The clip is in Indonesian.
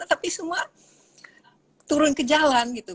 tapi semua turun ke jalan gitu